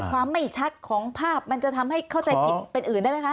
ไม่ชัดของภาพมันจะทำให้เข้าใจผิดเป็นอื่นได้ไหมคะ